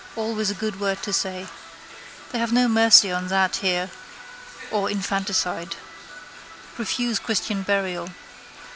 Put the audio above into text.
Always a good word to say. They have no mercy on that here or infanticide. Refuse christian burial.